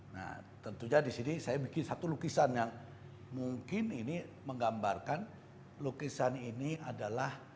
nah tentu saja di sini saya bikin satu lukisan yang mungkin ini menggambarkan lukisan ini adalah